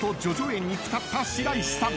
苑に使った白石さん］